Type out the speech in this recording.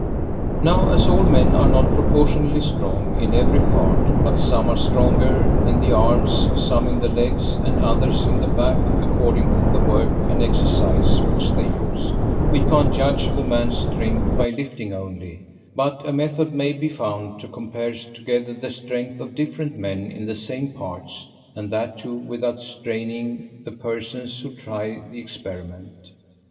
Now as all men are not proportionably strong in every part, but some are stronger in the arms, some in the legs, and others in the back, according to the work and exercise which they use, we can't judge of a man's strength by lifting only; but a method may be found to compare together the strength of different men in the same parts, and that too without straining the persons who try the experiment.